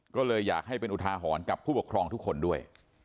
ก็เลยอยากให้เป็นอุทาหรณ์กับผู้ปกครองทุกคนด้วย